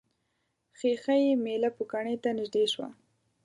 ښيښه یي میله پوکڼۍ ته نژدې شوه.